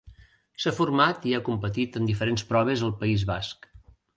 S'ha format i ha competit en diferents proves al País Basc.